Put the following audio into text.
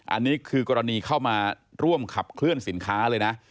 อันนี้คือกรณีเข้ามาร่วมขับเคลื่อนสินค้าเลยนะ